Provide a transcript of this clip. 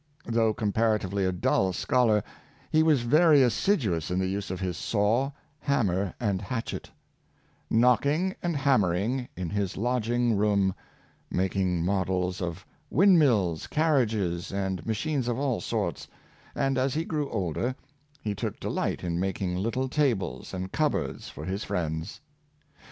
Though compara tively a dull scholar, he was very assiduous in the use of his saw, hammer, and hatchet —" knocking and ham mering in his lodging room "— making models of wind mills, carriages, and machines of all sorts; and as he grew older, he took delight in making little tables and cupboards for his friends.